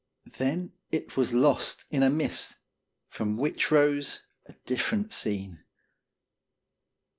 Then it was lost in a mist, from which rose a different scene.